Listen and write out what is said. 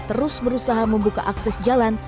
terus berusaha membuka akses jalan